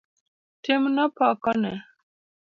Timno pok one.